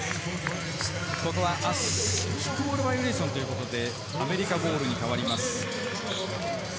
ここはバイオレーションということでアメリカボールに変わります。